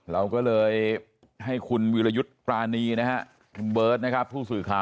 เราก็เลยให้คุณวิรยุทธ์ปรานีนะฮะคุณเบิร์ตนะครับผู้สื่อข่าว